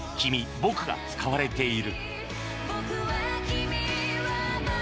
「僕」が使われている